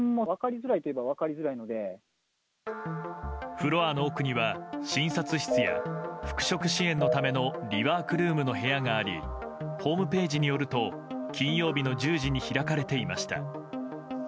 フロアの奥には診察室や復職支援のためのリワークルームの部屋がありホームページによると金曜日の１０時に開かれていました。